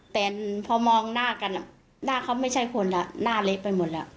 แต่พอมองหน้ากันหน้าเขาไม่ใช่คนหน้าเละไปหมดแล้ว